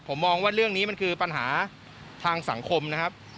ผมมองว่าเรื่องนี้มันคือปัญหาทางสังคมนะครับ